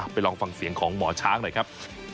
ลองฟังเสียงของหมอช้างหน่อยครับ